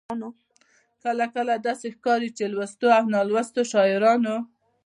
کله کله داسې ښکاري چې لوستو او نالوستو شاعرانو.